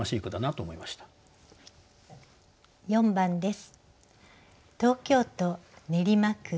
４番です。